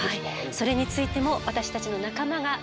それについても私たちの仲間が説明してくれます。